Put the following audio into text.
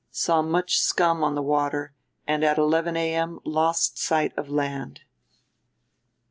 Saw much scum on the water and at 11 A.M. lost sight of land."